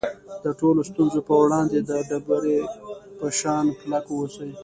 د ټولو ستونزو په وړاندې د ډبرې په شان کلک واوسئ.